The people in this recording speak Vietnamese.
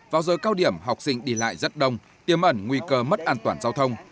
vào giờ cao điểm học sinh đi lại rất đông tiêm ẩn nguy cơ mất an toàn giao thông